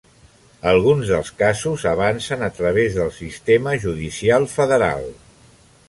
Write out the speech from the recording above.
Alguns dels casos avancen a través del sistema judicial federal.